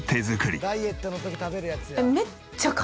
「ダイエットの時食べるやつや」